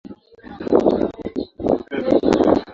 ripoti za uokoaji ziliandikwa kwa umakini sana